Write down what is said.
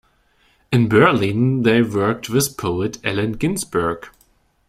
In Berlin, they worked with poet Allen Ginsberg.